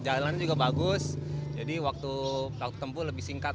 jalannya juga bagus jadi waktu tempuh lebih singkat